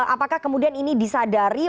apakah kemudian ini disadari